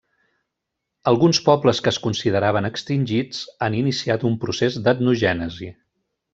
Alguns pobles que es consideraven extingits, han iniciat un procés d'etnogènesi.